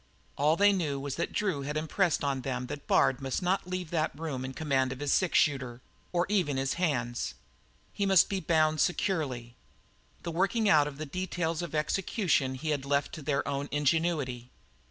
All they knew was that Drew had impressed on them that Bard must not leave that room in command of his six shooter or even of his hands. He must be bound securely. The working out of the details of execution he had left to their own ingenuity.